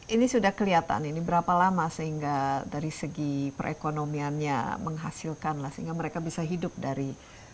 ini sudah kelihatan ini berapa lama sehingga dari segi perekonomiannya menghasilkan sehingga mereka bisa hidup dari